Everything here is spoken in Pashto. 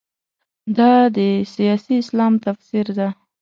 دا د سیاسي اسلام تفسیر ده.